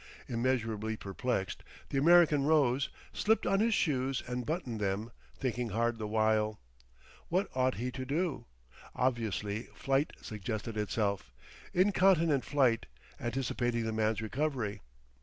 Immeasurably perplexed, the American rose, slipped on his shoes and buttoned them, thinking hard the while. What ought he to do? Obviously flight suggested itself, incontinent flight, anticipating the man's recovery.